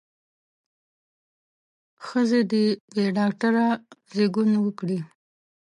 ښځې دې بې ډاکتره زېږون وکړي.